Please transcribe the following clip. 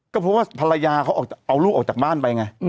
ก็เพราะว่าภรรยาเขาเอาลูกออกจากบ้านไปไง